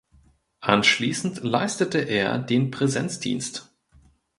Anschließend leistete er den Präsenzdienst.